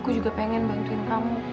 aku juga ya aku juga pengen bantuin kamu